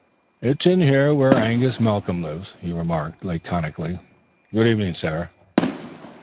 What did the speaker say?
"It's in here whar Angus Malcolm lives," he remarked laconically. "Good evening, sir."